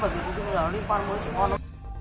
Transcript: là nó liên quan với chị hoa đâu